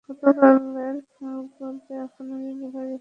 গতকালের মালগুলোও এখনো ডেলিভারি হয়নি।